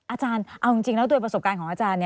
อาจารย์เอาจริงแล้วโดยประสบการณ์ของอาจารย์